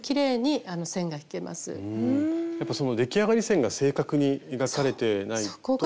やっぱその出来上がり線が正確に描かれてないと。